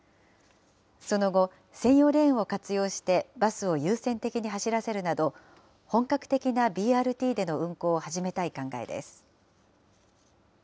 その後、専用レーンを活用して、バスを優先的に走らせるなど、本格的なＢＲＴでの運行を始めたい考えです。